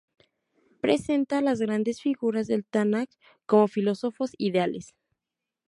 Presenta a las grandes figuras del Tanaj como filósofos ideales.